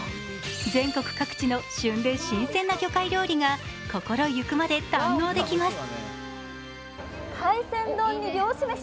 全国各地の旬で新鮮な魚介料理が心ゆくまで堪能できます。